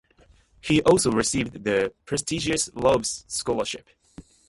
He also received the prestigious Rhodes Scholarship.